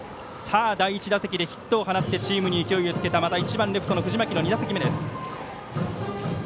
第１打席でヒットを放ってチームに勢いをつけた１番レフトの藤巻の２打席目です。